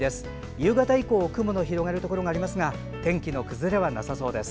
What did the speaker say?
夕方以降雲の広がるところがありますが天気の崩れはなさそうです。